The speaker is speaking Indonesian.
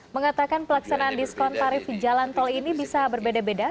mengatakan pelaksanaan diskon tarif jalan tol ini bisa berbeda beda